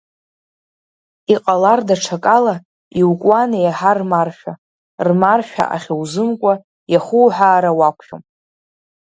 Иҟалар даҽакала, иукуан еиҳа рмаршәа, рмаршәа ахьузымкуа иахуҳәаара уақәшәом.